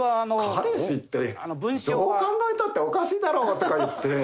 彼氏ってどう考えたっておかしいだろとか言って。